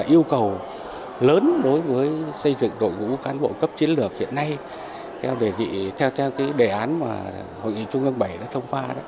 yêu cầu lớn đối với xây dựng đội ngũ cán bộ cấp chiến lược hiện nay theo đề nghị theo đề án mà hội nghị trung ương bảy đã thông qua đó